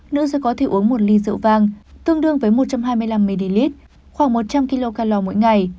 nữ sẽ có thể uống một ly rượu văng tương đương với một trăm hai mươi năm ml khoảng một trăm linh kcal mỗi ngày